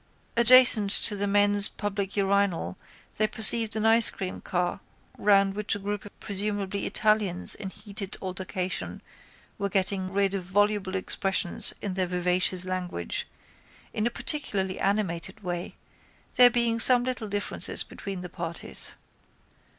Adjacent to the men's public urinal they perceived an icecream car round which a group of presumably Italians in heated altercation were getting rid of voluble expressions in their vivacious language in a particularly animated way, there being some little differences between the parties.